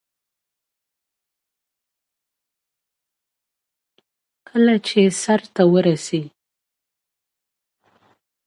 په شتون د يوه نړی شکرانې بې له تا موږ هيڅ يو ❤️